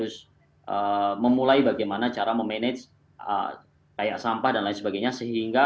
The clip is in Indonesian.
semuanya masih sering memerat istilahnya yang